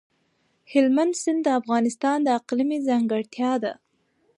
هلمند سیند د افغانستان د اقلیم ځانګړتیا ده.